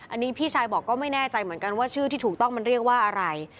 อันนี้พี่ชายบอกก็ไม่แน่ใจเหมือนกันว่าชื่อที่ถูกต้องมันเรียกว่าอะไร